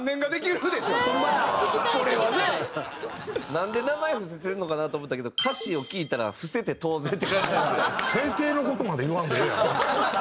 なんで名前伏せてるのかなと思ったけど歌詞を聴いたら伏せて当然って感じじゃないですか。